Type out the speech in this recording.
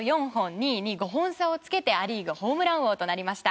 ２位に５本差をつけてア・リーグホームラン王となりました。